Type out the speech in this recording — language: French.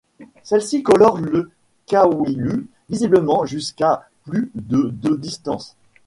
Celles-ci colorent le Kwilu visiblement jusqu'à plus de de distance.